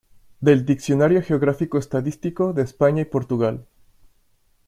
Del Diccionario geográfico-estadístico de España y Portugal.